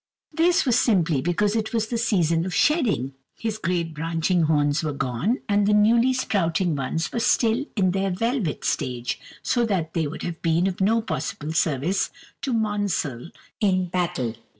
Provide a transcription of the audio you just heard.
This was simply because it was the season of shedding; his great branching horns were gone, and the newly sprouting ones were still in their "velvet" stage, so that they would have been of no possible service to Monsall in battle.